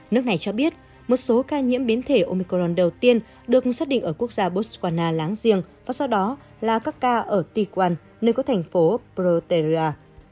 nước này cho biết một số ca nhiễm biến thể omicron đầu tiên được xác định ở quốc gia botswana láng giềng và sau đó là các ca ở tikwan nơi có thành phố proteria